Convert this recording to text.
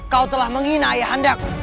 kau telah menghina ayah andaku